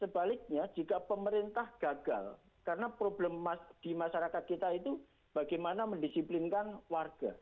sebaliknya jika pemerintah gagal karena problem di masyarakat kita itu bagaimana mendisiplinkan warga